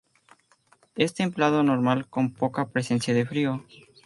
Es templado normal con poca presencia de frío.